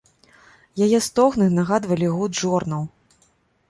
Яе стогны нагадвалі гуд жорнаў.